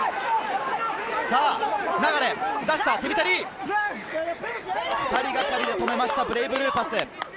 流が出した、テビタ・リー、２人がかりで止めました、ブレイブルーパス。